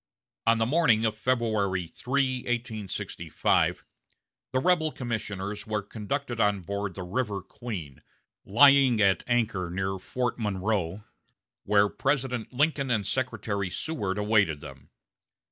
On the morning of February 3, 1865, the rebel commissioners were conducted on board the River Queen, lying at anchor near Fort Monroe, where President Lincoln and Secretary Seward awaited them.